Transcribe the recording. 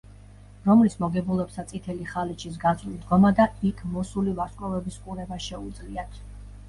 რომლის მოგებულებსაც წითელი ხალიჩის გასწვრივ დგომა და იქ მოსული ვარსკვლავების ყურება შეუძლიათ.